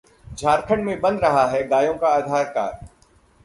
झारखंड में बन रहा है गायों का आधार कार्ड